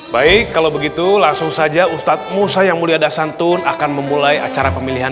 baik kalau begitu langsung saja ustadz musa yang muliadah santun akan memulai acara pemilihan